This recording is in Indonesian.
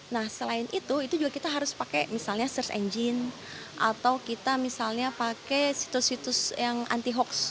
nah selain itu itu juga kita harus pakai misalnya search engine atau kita misalnya pakai situs situs yang anti hoax